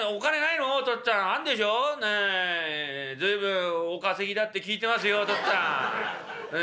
随分お稼ぎだって聞いてますよお父っつぁん。